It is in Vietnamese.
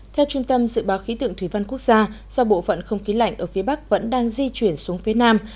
theo trung tâm dự báo khí tượng thủy văn quốc gia do bộ phận không khí lạnh ở phía bắc vẫn đang di chuyển xuống phía nam